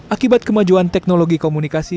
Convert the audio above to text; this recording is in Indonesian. akibat kemajuan teknologi komunikasi